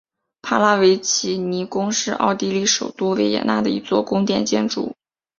帕拉维奇尼宫是奥地利首都维也纳的一座宫殿建筑。